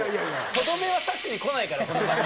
とどめは刺しにこないからこの番組。